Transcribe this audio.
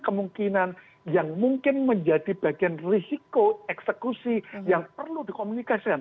kemungkinan yang mungkin menjadi bagian risiko eksekusi yang perlu dikomunikasikan